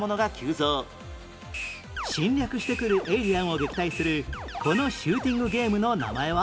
侵略してくるエイリアンを撃退するこのシューティングゲームの名前は？